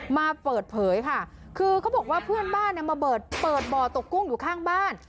มาเปิดเผยค่ะคือเขาบอกว่าเพื่อนบ้านเนี่ยมาเปิดบ่อตกกุ้งอยู่ข้างบ้าน